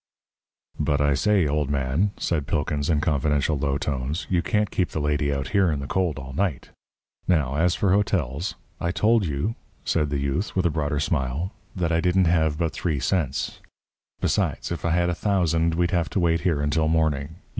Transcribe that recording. "But, I say, old man," said Pilkins, in confidential low tones, "you can't keep the lady out here in the cold all night. Now, as for hotels " "I told you," said the youth, with a broader smile, "that I didn't have but three cents. Besides, if I had a thousand, we'd have to wait here until morning.